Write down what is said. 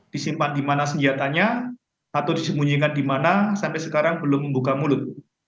disimpan di mana senjatanya atau disembunyikan di mana sampai sekarang belum membuka mulut